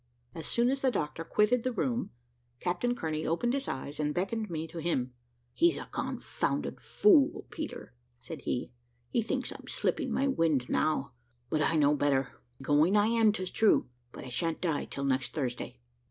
As soon as the doctor quitted the room, Captain Kearney opened his eyes, and beckoned me to him. "He's a confounded fool, Peter," said he: "he thinks I am slipping my wind now but I know better; going I am, 'tis true but I sha'n't die till next Thursday."